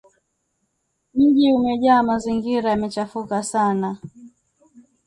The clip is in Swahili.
Mji umejaa mazingira yamechafuka sana